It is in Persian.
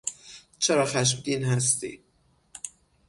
چرا خشمگین هستی؟